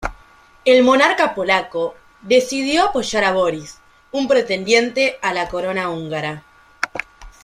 El monarca polaco decidió apoyar a Boris, un pretendiente a la Corona húngara.